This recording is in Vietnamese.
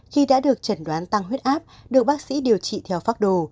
khi đã được chẩn đoán tăng huyết áp được bác sĩ điều trị theo pháp đồ